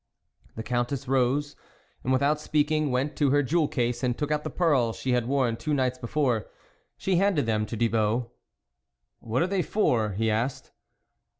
The Countess rose, and without speak ing, went to her jewel case and took out the pearls she had worn two nights be fore. She handed them to Thibault. " What are they for ?" he asked.